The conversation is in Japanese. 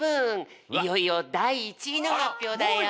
いよいよだい１位の発表だよ！